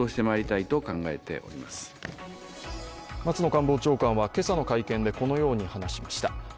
松野官房長官は今朝の会見でこのように話しました。